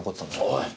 おい！